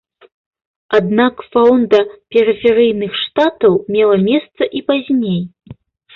Аднак фронда перыферыйных штатаў мела месца і пазней.